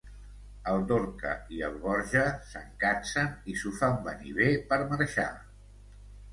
El Dorca i el Borja se'n cansen i s'ho fan venir bé per marxar.